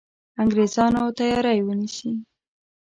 انګرېزانو تیاری ونیسي.